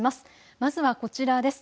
まずはこちらです。